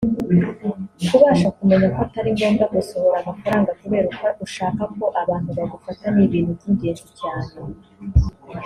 Kubasha kumenya ko atari ngombwa gusohora amafaranga kubera uko ushaka ko abantu bagufata ni ibintu by’ingenzi cyane